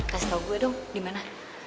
kasih tau gue dong dimana